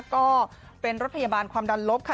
ก็เป็นรถพยาบาลความดันลบค่ะ